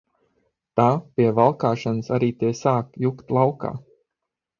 Tā pie valkāšanas arī tie sāk jukt laukā.